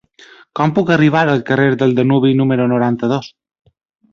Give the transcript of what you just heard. Com puc arribar al carrer del Danubi número noranta-dos?